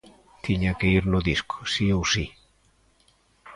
Tiña que ir no disco si ou si.